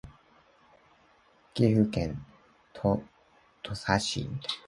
岐阜県土岐市